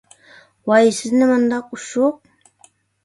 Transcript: ۋاي سىز نېمانداق ئۇششۇق!